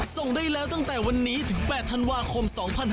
ส่งได้แล้วตั้งแต่วันนี้ถึง๘ธันวาคม๒๕๖๒